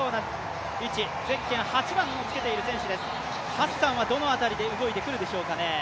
ハッサンはどの辺りで動いてくるでしょうかね。